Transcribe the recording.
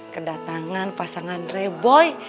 kedatangan pasangan reboy